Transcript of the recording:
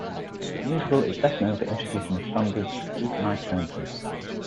The musical is best known for introducing the standards Who Can I Turn To?